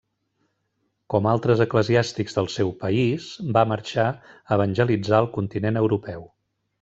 Com altres eclesiàstics del seu país, va marxar a evangelitzar el continent europeu.